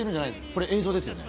これ映像ですよね？